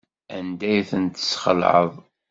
Anda ay ten-tesxelɛeḍ?